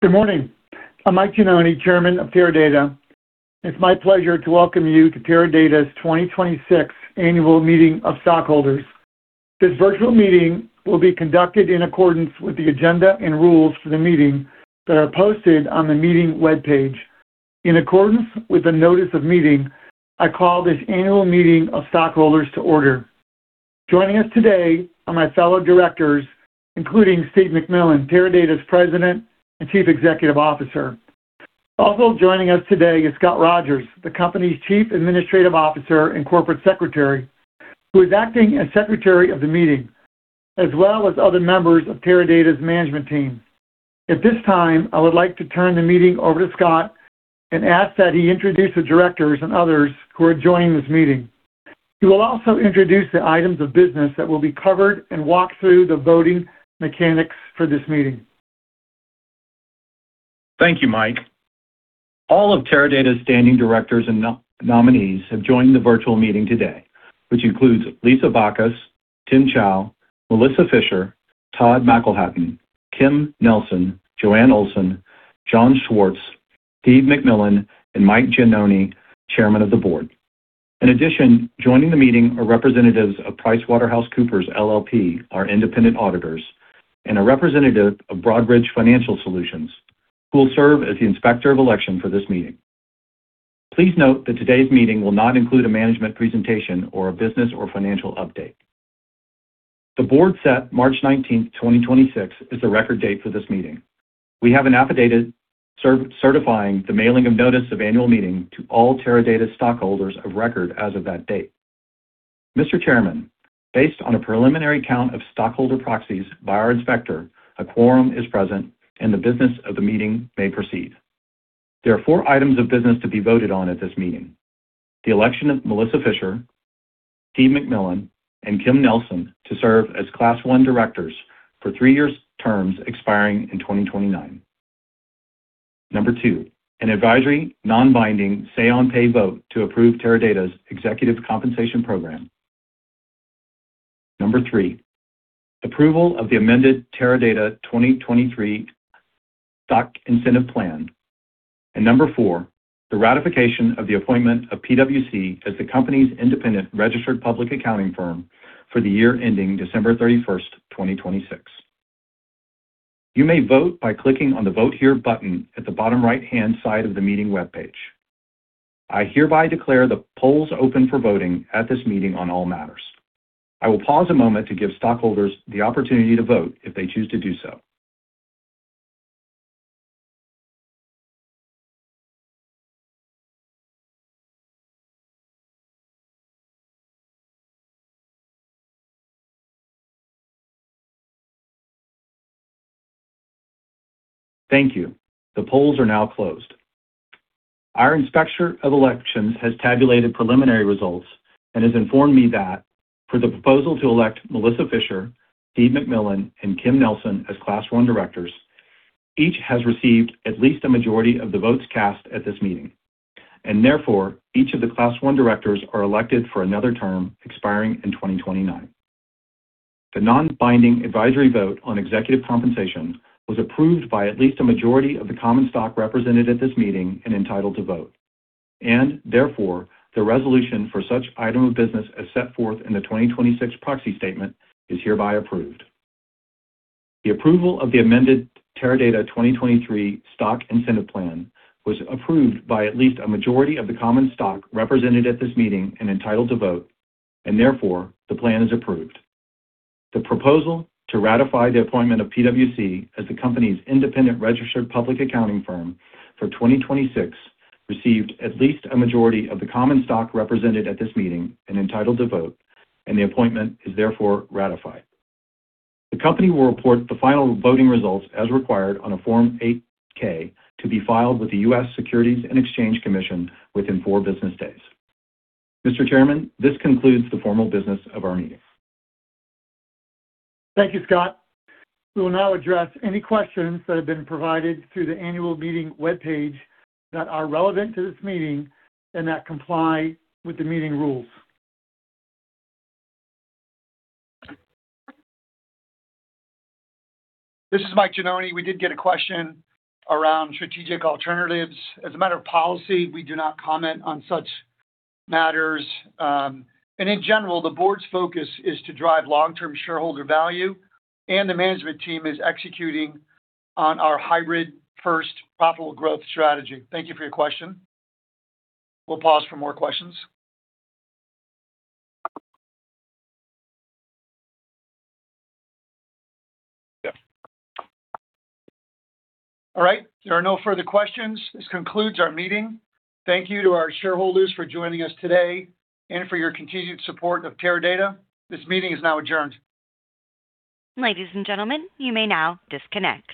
Good morning. I'm Mike Gianoni, Chairman of Teradata. It's my pleasure to welcome you to Teradata's 2026 annual meeting of stockholders. This virtual meeting will be conducted in accordance with the agenda and rules for the meeting that are posted on the meeting webpage. In accordance with the notice of meeting, I call this annual meeting of stockholders to order. Joining us today are my fellow directors, including Steve McMillan, Teradata's President and Chief Executive Officer. Also joining us today is Scot Rogers, the company's Chief Administrative Officer and Corporate Secretary, who is acting as Secretary of the meeting, as well as other members of Teradata's management team. At this time, I would like to turn the meeting over to Scot and ask that he introduce the directors and others who are joining this meeting. He will also introduce the items of business that will be covered and walk through the voting mechanics for this meeting. Thank you, Mike. All of Teradata's standing directors and nominees have joined the virtual meeting today, which includes Lisa Bacus, Tim Chou, Melissa Fisher, Todd McElhatton, Kim Nelson, Joanne Olsen, John Schwarz, Steve McMillan, and Mike Gianoni, Chairman of the Board. In addition, joining the meeting are representatives of PricewaterhouseCoopers LLP, our independent auditors, and a representative of Broadridge Financial Solutions, who will serve as the inspector of election for this meeting. Please note that today's meeting will not include a management presentation or a business or financial update. The board set March 19, 2026 as the record date for this meeting. We have an affidavit certifying the mailing of notice of annual meeting to all Teradata stockholders of record as of that date. Mr. Chairman, based on a preliminary count of stockholder proxies by our inspector, a quorum is present, and the business of the meeting may proceed. There are four items of business to be voted on at this meeting. The election of Melissa Fisher, Steve McMillan, and Kim Nelson to serve as Class I directors for three years terms expiring in 2029. Number two, an advisory non-binding say on pay vote to approve Teradata's executive compensation program. Number three, approval of the amended Teradata 2023 Stock Incentive Plan. Number four, the ratification of the appointment of PwC as the company's independent registered public accounting firm for the year ending December 31st, 2026. You may vote by clicking on the Vote Here button at the bottom right-hand side of the meeting webpage. I hereby declare the polls open for voting at this meeting on all matters. I will pause a moment to give stockholders the opportunity to vote if they choose to do so. Thank you. The polls are now closed. Our inspector of elections has tabulated preliminary results and has informed me that for the proposal to elect Melissa Fisher, Steve McMillan, and Kim Nelson as Class I directors, each has received at least a majority of the votes cast at this meeting, and therefore, each of the Class I directors are elected for another term expiring in 2029. The non-binding advisory vote on executive compensation was approved by at least a majority of the common stock represented at this meeting and entitled to vote, and therefore, the resolution for such item of business as set forth in the 2026 proxy statement is hereby approved. The approval of the amended Teradata 2023 Stock Incentive Plan was approved by at least a majority of the common stock represented at this meeting and entitled to vote, and therefore, the plan is approved. The proposal to ratify the appointment of PwC as the company's independent registered public accounting firm for 2026 received at least a majority of the common stock represented at this meeting and entitled to vote, and the appointment is therefore ratified. The company will report the final voting results as required on a Form 8-K to be filed with the U.S. Securities and Exchange Commission within four business days. Mr. Chairman, this concludes the formal business of our meeting. Thank you, Scot. We will now address any questions that have been provided through the annual meeting webpage that are relevant to this meeting and that comply with the meeting rules. This is Mike Gianoni. We did get a question around strategic alternatives. As a matter of policy, we do not comment on such matters. In general, the board's focus is to drive long-term shareholder value, and the management team is executing on our hybrid first profitable growth strategy. Thank you for your question. We'll pause for more questions. All right. There are no further questions. This concludes our meeting. Thank you to our shareholders for joining us today and for your continued support of Teradata. This meeting is now adjourned. Ladies and gentlemen, you may now disconnect.